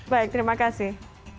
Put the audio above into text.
baik terima kasih